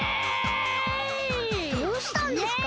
どうしたんですか？